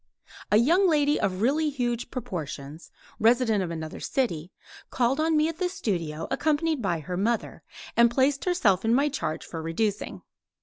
A young lady of really huge proportions, resident of another city, called on me at the studio accompanied by her mother, and placed herself in my charge for reducing.